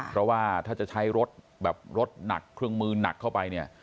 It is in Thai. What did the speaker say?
เพราะว่าถ้าจะใช้รถแบบรถหนักเครื่องมือหนักเข้าไปเนี่ย